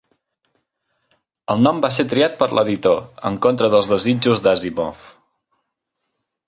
El nom va ser triat per l'editor, en contra dels desitjos d'Asimov.